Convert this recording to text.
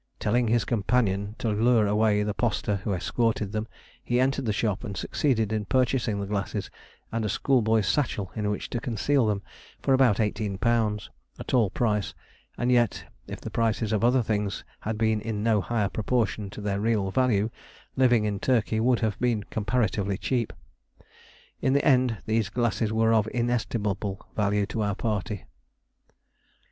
Telling his companion to lure away the posta who escorted them, he entered the shop, and succeeded in purchasing the glasses, and a schoolboy's satchel in which to conceal them, for about £18 a tall price, and yet, if the prices of other things had been in no higher proportion to their real value, living in Turkey would have been comparatively cheap. In the end these glasses were of inestimable value to our party.